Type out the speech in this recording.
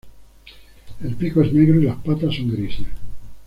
El pico es negro y las patas son grises.